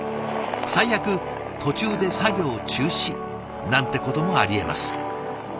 最悪途中で作業中止なんてこともありえます。